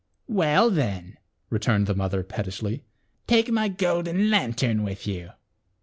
" Well, then," returned the mother pettishly, "take my golden lantern with you."